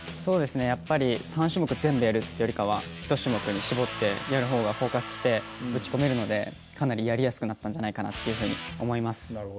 やっぱり３種目全部やるよりかは１種目に絞ってやる方がフォーカスして打ち込めるのでかなりやりやすくなったんじゃないかなと思います。